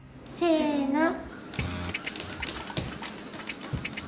せの。